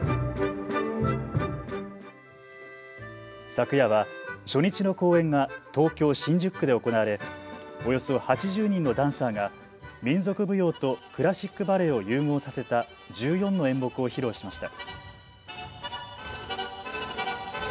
昨夜は初日の公演が東京新宿区で行われおよそ８０人のダンサーが民族舞踊とクラシックバレエを融合させた１４の演目を披露しました。